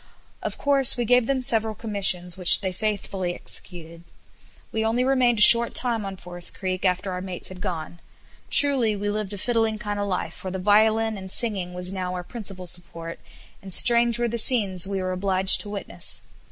Of course we gave them several commissions, which they faithfully executed. We only remained a short time on Forest Creek after our mates had gone. Truly we lived a fiddling kind of life for the violin and singing was now our principal support, and strange were the scenes we were obliged to witness.